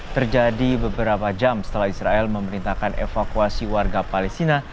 terjadi beberapa jam setelah israel memerintahkan evakuasi warga palestina